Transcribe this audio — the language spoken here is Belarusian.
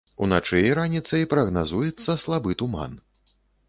Уначы і раніцай прагназуецца слабы туман.